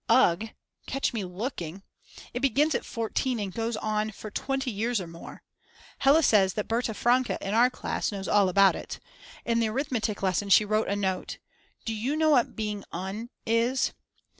Ugh! Catch me looking! It begins at 14 and goes on for 20 years or more. Hella says that Berta Franke in our class knows all about it. In the arithmetic lesson she wrote a note: Do you know what being un ... is?